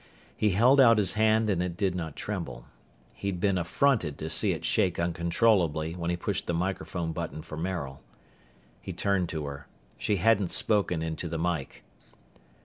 He held out his hand and it did not tremble. He'd been affronted to see it shake uncontrollably when he pushed the microphone button for Maril. He turned to her. She hadn't spoken into the mike.